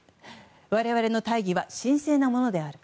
我々の大義は神聖なものである。